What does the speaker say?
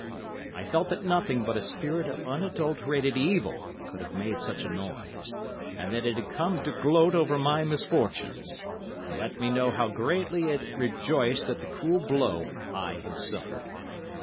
I felt that nothing but a spirit of unadulterated evil could have made such a noise, and that it had come to gloat over my misfortunes—to let me know how greatly it rejoiced at the cruel blow I had suffered.